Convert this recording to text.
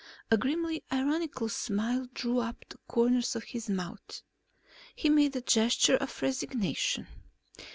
A grimly ironical smile drew up the corners of his mouth. He made a gesture of resignation.